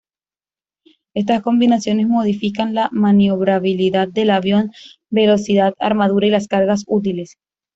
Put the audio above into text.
Estas combinaciones modifican la maniobrabilidad del avión, velocidad, armadura, y las cargas útiles.